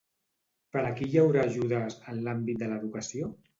Per a qui hi haurà ajudes, en l'àmbit de l'educació?